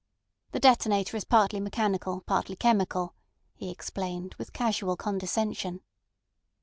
"The detonator is partly mechanical, partly chemical," he explained, with casual condescension.